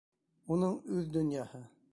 Уның үҙ донъяһы.